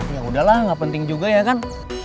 ya udahlah nggak penting juga ya kan